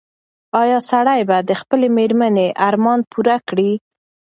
ایا سړی به د خپلې مېرمنې ارمان پوره کړي؟